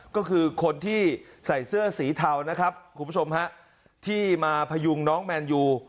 ก็คือคนที่ใส่เสื้อสีเทานะครับคุณผู้ชมฮะที่มาพยุงน้องแมนยู